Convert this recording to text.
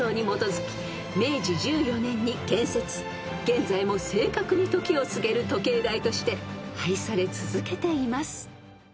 ［現在も正確に時を告げる時計台として愛され続けています］